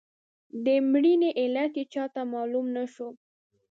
د مړینې علت یې چاته معلوم نه شو.